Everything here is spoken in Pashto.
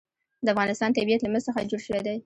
د افغانستان طبیعت له مس څخه جوړ شوی دی.